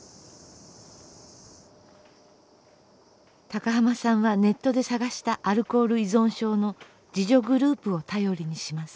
高浜さんはネットで探したアルコール依存症の自助グループを頼りにします。